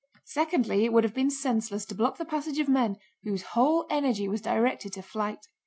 Secondly, it would have been senseless to block the passage of men whose whole energy was directed to flight.